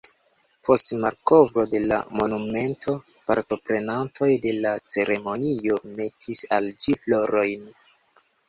Post malkovro de la monumento partoprenantoj de la ceremonio metis al ĝi florojn.